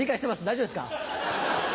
大丈夫ですか？